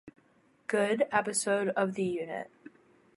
Good" episode of "The Unit.